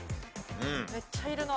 めっちゃいるな。